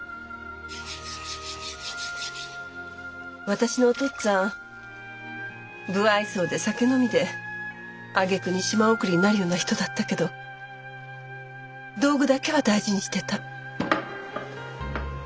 私のお父っつぁん無愛想で酒飲みであげくに島送りになるような人だったけど道具だけは大事にしてた。